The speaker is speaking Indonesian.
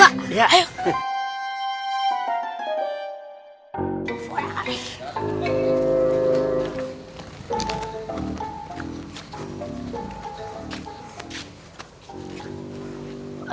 yaudah kita ke rumah bapak